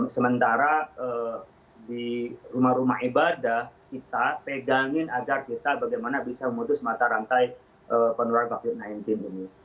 sementara di rumah rumah ibadah kita pegangin agar kita bagaimana bisa memutus mata rantai penularan covid sembilan belas ini